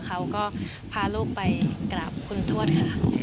เขาก็พาลูกไปกราบคุณทวดค่ะ